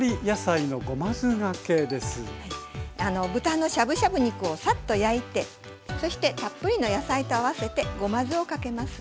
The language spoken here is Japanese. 豚のしゃぶしゃぶ肉をサッと焼いてそしてたっぷりの野菜と合わせてごま酢をかけます。